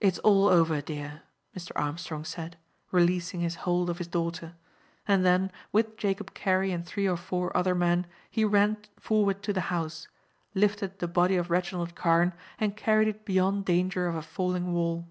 "It's all over, dear," Mr. Armstrong said, releasing his hold of his daughter; and then with Jacob Carey and three or four other men, he ran forward to the house, lifted the body of Reginald Carne and carried it beyond danger of a falling wall.